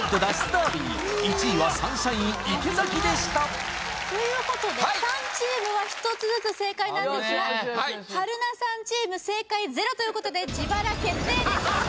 ダービー１位はサンシャイン池崎でしたということで３チームは１つずつ正解なんですが春菜さんチーム正解ゼロということで自腹決定です